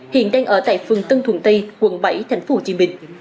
hiện đang ở tại phường tân thuận tây quận bảy thành phố hồ chí minh